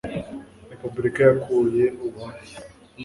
repubulika yakuye ubuhake